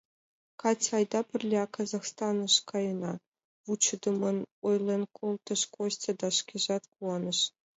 — Катя... айда пырля Казахстаныш каена, — вучыдымын ойлен колтыш Костя да шкежат куаныш.